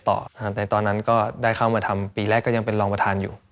แต่ตอนนั้นก็ได้เข้ามาทำปีแรกก็ยังเป็นรองประธานอยู่